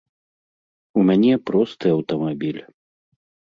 У мяне просты аўтамабіль.